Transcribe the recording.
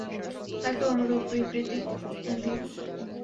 তাকেও অনুরূপ বিবৃতি দিও।